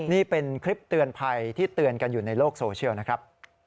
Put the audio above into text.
นี่เป็นคลิปเตือนภัยที่เตือนกันอยู่ในโลกโซเชียลนะครับ